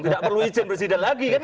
tidak perlu izin presiden lagi kan